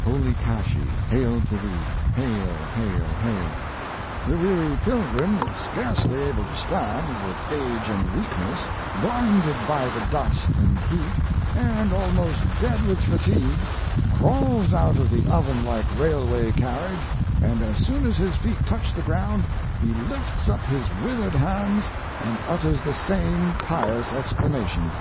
(Holy Kashi! Hail to thee! Hail! Hail! Hail)'. The weary pilgrim scarcely able to stand, with age and weakness, blinded by the dust and heat, and almost dead with fatigue, crawls out of the oven like railway carriage and as soon as his feet touch the ground he lifts up his withered hands and utters the same pious exclamation.